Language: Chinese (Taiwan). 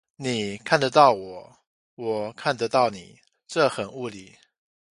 你看得到我，我看得到你，這很物理